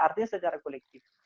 artinya secara kolektif